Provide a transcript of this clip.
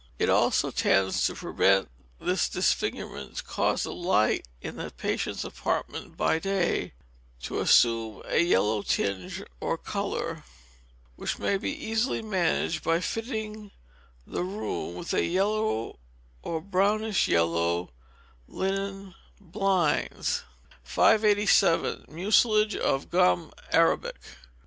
It also tends to prevent this disfigurement to cause the light in the patient's apartment by day to assume a yellow tinge or colour, which may be easily managed by fitting the room with yellow or brownish yellow linen blinds. 587. Mucilage of Gum Arabic.